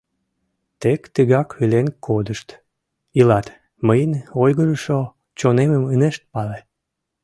«Тек тыгак илен кодышт... илат, мыйын ойгырышо чонемым ынышт пале...